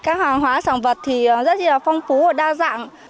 các hàng hóa sản vật thì rất là phong phú và đa dạng